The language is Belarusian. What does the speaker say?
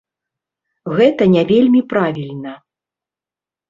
Гэта не вельмі правільна.